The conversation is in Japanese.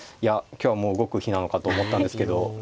今日はもう動く日なのかと思ったんですけど。